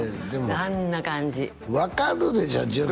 あんな感じ分かるでしょ１０個